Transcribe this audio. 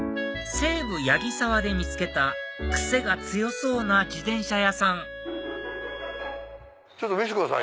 西武柳沢で見つけた癖が強そうな自転車屋さん見せてください。